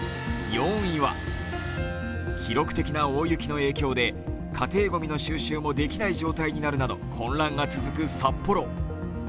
４位は、記録的な大雪の影響で家庭ごみの収集もできない状態になるなど混乱が続く札幌。